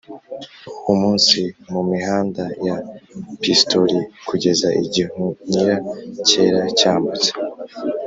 umunsi, mumihanda ya pisitori, kugeza igihunyira cyera cyambutse